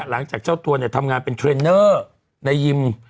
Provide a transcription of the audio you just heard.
หลังจากเจ้าตัวเนี่ยทำงานเป็นเทรนเนอร์ในยิม